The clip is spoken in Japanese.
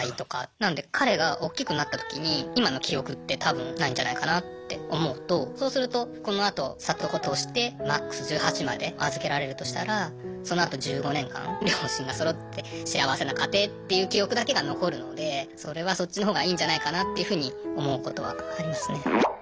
なので彼がおっきくなったときに今の記憶って多分ないんじゃないかなって思うとそうするとこのあと里子としてマックス１８まで預けられるとしたらそのあと１５年間両親がそろって幸せな家庭っていう記憶だけが残るのでそれはそっちのほうがいいんじゃないかなっていうふうに思うことはありますね。